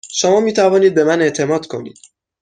شما می توانید به من اعتماد کنید.